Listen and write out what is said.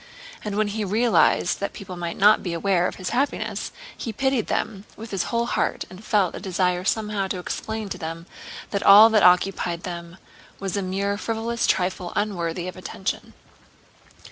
And when he realized that people might not be aware of his happiness, he pitied them with his whole heart and felt a desire somehow to explain to them that all that occupied them was a mere frivolous trifle unworthy of attention.